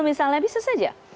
misalnya bisa saja